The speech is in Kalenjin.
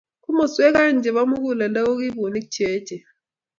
Komoswek oeng chebo muguleldo ko ki bunik che eechen